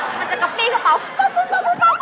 มันจะกับปี้กระเป๋าปั๊บ